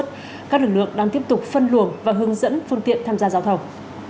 bản thông suốt các lực lượng đang tiếp tục phân luồng và hướng dẫn phương tiện tham gia giao thông